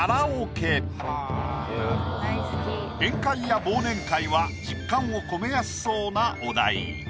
宴会や忘年会は実感をこめやすそうなお題。